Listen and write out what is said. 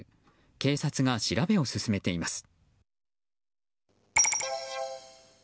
警察が調べを進めています。